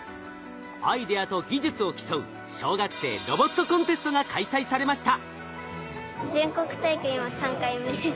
アイデアと技術を競う小学生ロボットコンテストが開催されました。